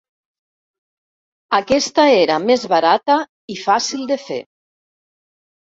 Aquesta era més barata i fàcil de fer.